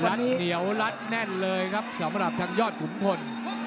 เหนียวรัดแน่นเลยครับสำหรับทางยอดขุนพล